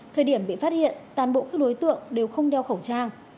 thời điểm bị phát hiện toàn bộ các đối tượng đều không đeo khẩu trang